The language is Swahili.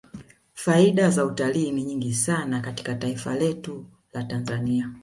faida za utalii ni nyingi sana kwa taifa letu la tanzania